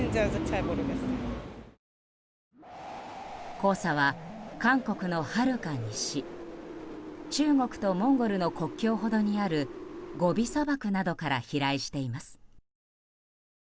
黄砂は韓国のはるか西中国とモンゴルの国境ほどにあるゴビ砂漠などから飛来しています。